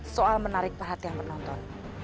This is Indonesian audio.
soal menarik perhatian penonton